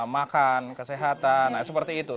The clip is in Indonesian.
makan kesehatan nah seperti itu